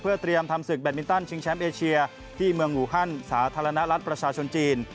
เตรียมทำศึกแดดมินตันชิงแชมป์เอเชียที่เมืองอูฮันสาธารณรัฐประชาชนจีน